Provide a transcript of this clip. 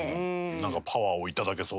なんかパワーを頂けそうな。